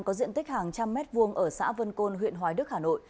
có diện tích hàng trăm mét vuông ở xã vân côn huyện hoài đức hà nội